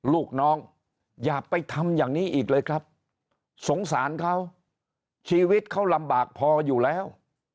ลูกน้องอย่าไปทำอย่างนี้อีกเลยครับสงสารเขาชีวิตเขาลำบากพออยู่แล้ว